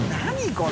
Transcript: これ。